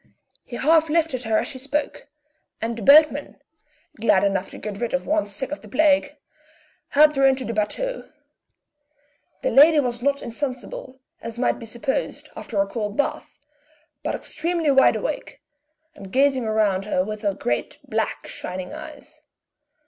He half lifted her as he spoke; and the boatman, glad enough to get rid of one sick of the plague, helped her into the batteau. The lady was not insensible, as might be supposed, after her cold bath, but extremely wide awake, and gazing around her with her great, black, shining eyes.